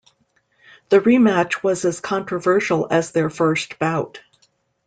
The rematch was as controversial as their first bout.